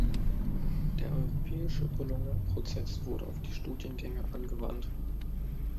Der europäische Bologna-Prozess wurde auf die Studiengänge angewandt.